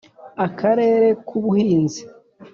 Akarere k Ubuhinzi